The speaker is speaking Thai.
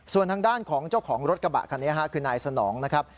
ส่วนทางด้านของเจ้าของรถกระบะคันนี้คือนายสนองนะครับ